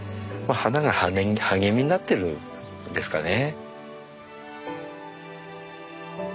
花が励みになってるんですかね。